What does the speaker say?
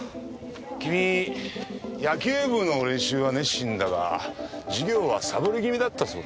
君野球部の練習は熱心だが授業はさぼり気味だったそうだな。